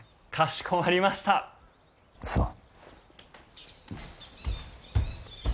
すまん。